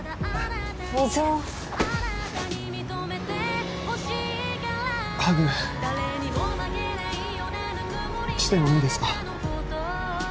水をハグしてもいいですか？